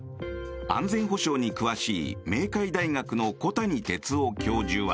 安全保障に詳しい明海大学の小谷哲男教授は。